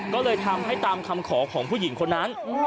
ก็เลยทำให้ตามคำขอของผู้หญิงคนนั้น